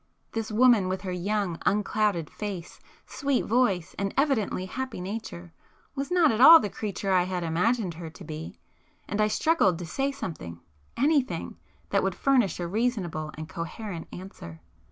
This woman with her young unclouded face, sweet voice and evidently happy nature, was not at all the creature I had imagined her to be,—and I struggled to say something,—anything,—that would furnish a reasonable and coherent answer.